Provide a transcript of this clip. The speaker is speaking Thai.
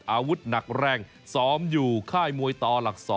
อาวุธหนักแรงซ้อมอยู่ค่ายมวยต่อหลัก๒